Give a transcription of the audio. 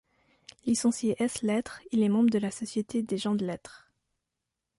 Licencié ès lettres, il est membre de la Société des gens de lettres.